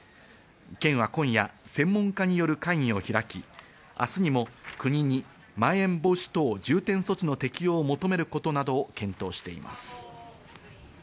県は今夜、専門家による会議を開き、明日にも国にまん延防止等重点措置の適用を求めることなどを検討しています。